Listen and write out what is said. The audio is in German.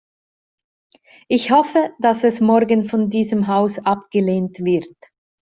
Ich hoffe, dass es morgen von diesem Haus abgelehnt wird.